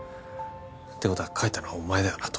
てことは書いたのはお前だよな？